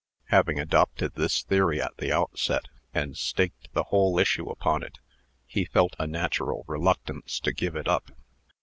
Having adopted this theory at the outset, and staked the whole issue upon it, he felt a natural reluctance to give it up.